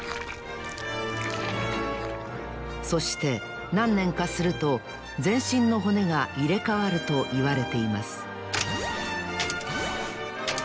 そしてなんねんかすると全身の骨がいれかわるといわれています